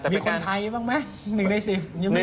มีคนไทยบ้างไหม๑ใน๑๐